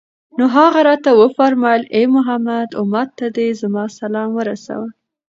نو هغه راته وفرمايل: اې محمد! أمت ته دي زما سلام ورسوه